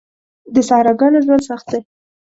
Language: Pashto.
د صحراګانو ژوند سخت دی.